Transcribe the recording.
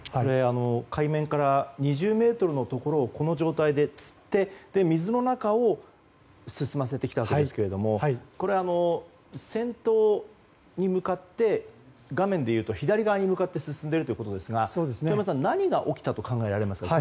海面から２０ｍのところをこの状態でつって水の中を進ませてきたわけですが先頭に向かって画面でいうと左側に向かって進んでいるということですが遠山さん、この状態で何が起きたと考えられますか。